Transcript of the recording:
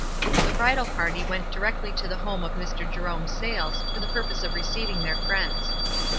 The bridal party went directly to the home of Mr. Jerome Sayles foi the purpose of receiving their friends.